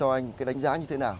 cho anh cái đánh giá như thế nào